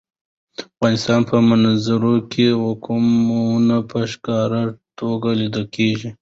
د افغانستان په منظره کې قومونه په ښکاره توګه لیدل کېږي.